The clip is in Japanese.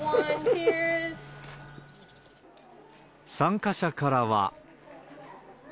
参加者からは。